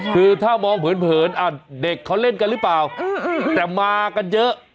คือถ้ามองเผินเด็กเขาเล่นกันหรือเปล่าแต่มากันเยอะ